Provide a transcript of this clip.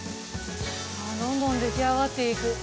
どんどん出来上がっていく。